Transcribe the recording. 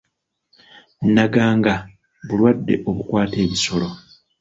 Naganga bulwadde obukwata ebisolo.